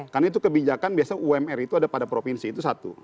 karena itu kebijakan biasanya umr itu ada pada provinsi itu satu